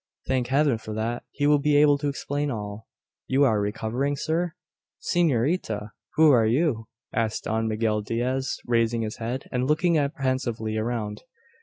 thank Heaven for that! He will be able to explain all. You are recovering, sir?" "S'norita! who are you?" asked Don Miguel Diaz, raising his head, and looking apprehensively around.